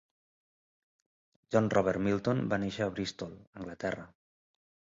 John Robert Milton va néixer a Bristol, Anglaterra.